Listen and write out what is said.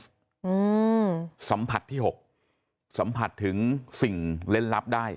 อืมสัมผัสที่หกสัมผัสถึงสิ่งเล่นลับได้